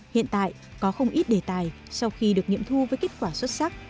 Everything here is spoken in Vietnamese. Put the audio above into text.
hiện tại có không ít đề tài sau khi được nghiệm thu với kết quả xuất sắc